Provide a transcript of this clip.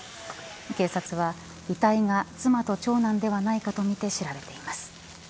警察は遺体が妻と長男ではないかとみて調べています。